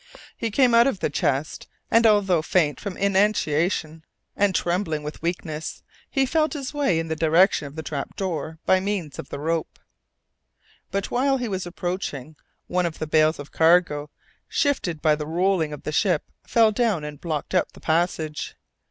He came out of the chest, and although faint from inanition and trembling with weakness, he felt his way in the direction of the trap door by means of the rope. But, while he was approaching, one of the bales of cargo, shifted by the rolling of the ship, fell down and blocked up the passage.